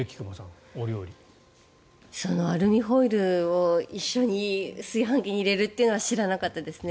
アルミホイルを一緒に炊飯器に入れるというのは知らなかったですね。